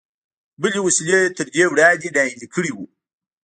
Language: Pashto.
بلې وسيلې تر دې وړاندې ناهيلی کړی و.